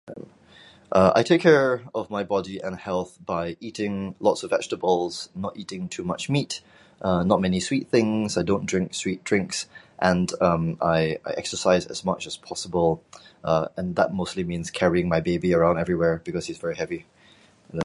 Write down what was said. I take care of my body and health by eating lots of vegetables not eating too much meat, not many sweet things, I don't drink too many sweet drinks, and I exercise as much as possible and that mostly means carrying my baby around everywhere because he is very heavy.